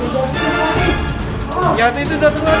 lihat dia datang lagi